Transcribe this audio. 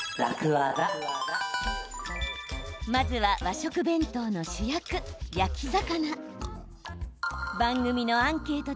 まずは和食弁当の主役、焼き魚。